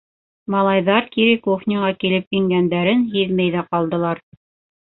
Малайҙар кире кухняға килеп ингәндәрен һиҙмәй ҙә ҡалдылар.